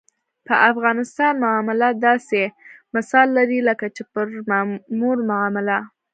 په افغانستان معامله داسې مثال لري لکه چې پر مور معامله.